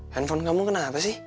handphone kamu kena apa sih